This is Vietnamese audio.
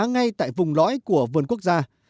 ngay tại vùng lõi của vườn quốc gia